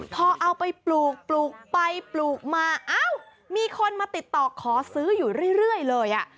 พอเอาไปปลูกปลูกไปปลูกมาเอ้ามีคนมาติดต่อขอซื้ออยู่เรื่อยเลยอ่ะ